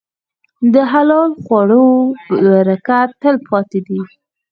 د حلال خوړو برکت تل پاتې دی.